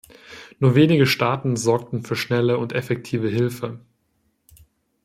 Nur weinige Staaten sorgten für schnelle und effektive Hilfe.